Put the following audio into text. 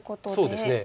そうですね